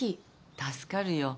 助かるよ。